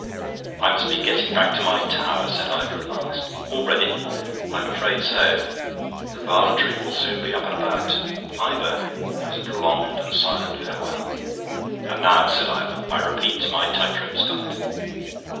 "I must be getting back to my tower," said Ivor at last. "Already?" "I'm afraid so. The varletry will soon be up and about." "Ivor..." There was a prolonged and silent farewell. "And now," said Ivor, "I repeat my tight rope stunt."